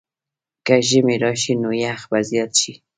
که ژمی راشي، نو یخ به زیات شي.